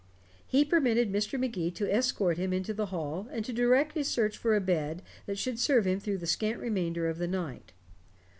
He permitted Mr. Magee to escort him into the hall, and to direct his search for a bed that should serve him through the scant remainder of the night.